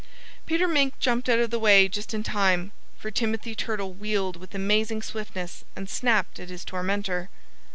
Peter Mink jumped out of the way just in time. For Timothy Turtle wheeled with amazing swiftness and snapped at his tormentor.